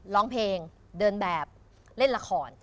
ร้องเพลงเดินแบบเล่นละคร